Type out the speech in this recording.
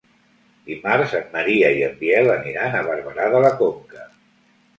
Dimarts en Maria i en Biel aniran a Barberà de la Conca.